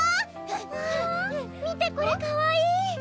わっ見てこれかわいい！